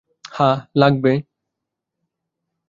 হ্যাঁ, লাগবে।